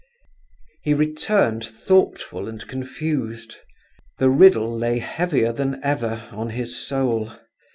_" He returned thoughtful and confused; the riddle lay heavier than ever on his soul.